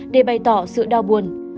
để bày tỏ sự đau buồn